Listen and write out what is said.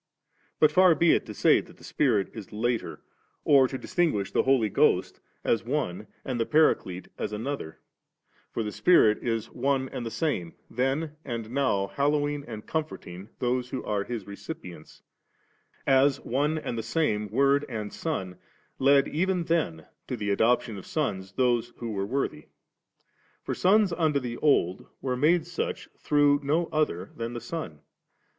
but far be it to say that the Spirit is later, or to S YlkX3cU.9. < R«T. Z3£. 13— t^. Digitized by Google DISCOURSE IV. 445 distinguish the Holy Ghost as one and the Paraclete as another ; for the Spirit is one and the same, then and now hallowing and comfort ing those who are His recipients ; as one and the same Word and Son led even then to adoption of sons those who were worthy'. For sons under the Old were made such through no other than the Son.